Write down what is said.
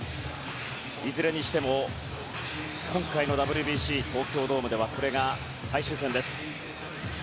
いずれにしても今回のＷＢＣ東京ドームではこれが最終戦です。